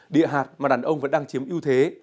địa hạt mà đàn ông vẫn đang chiếm ưu thế